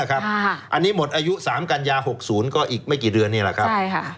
อันนี้หมดอายุ๓กันยายน๖๐ก็อีกไม่กี่เดือนครับ